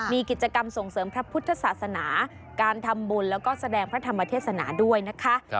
มีกิจกรรมส่งเสริมพระพุทธศาสนาการทำบุญแล้วก็แสดงพระธรรมเทศนาด้วยนะคะ